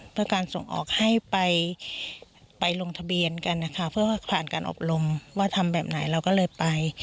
เพื่อการส่งออกให้ไปลงทะเบียนกันนะคะเพื่อคลานการอบรมว่าทำแบบไหนเราก็เลยไป